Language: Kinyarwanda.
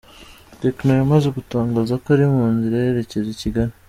Tekno yamaze gutangaza ko ari mu nzira yerekeza i Kigali.